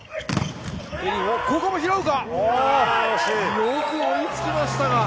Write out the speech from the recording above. よく追いつきました！